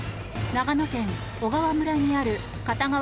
長野県小川村にある片側